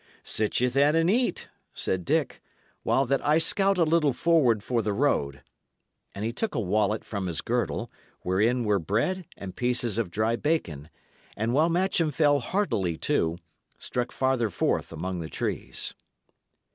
"Sit ye, then, and eat," said Dick, "while that I scout a little forward for the road." And he took a wallet from his girdle, wherein were bread and pieces of dry bacon, and, while Matcham fell heartily to, struck farther forth among the trees.